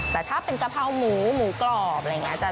แต่ถ้าเป็นกะเพราหมูหมูกรอบหรือกะเพราหมูกรอบ